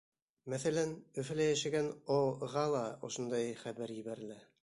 Мәҫәлән, Өфөлә йәшәгән О.-ға ла ошондай хәбәр ебәрелә.